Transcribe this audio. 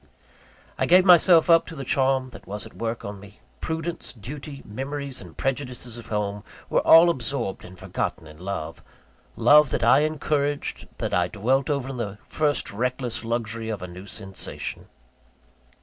I gave myself up to the charm that was at work on me. Prudence, duty, memories and prejudices of home, were all absorbed and forgotten in love love that I encouraged, that I dwelt over in the first reckless luxury of a new sensation.